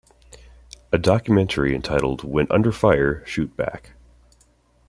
A documentary entitled When Under Fire: Shoot Back!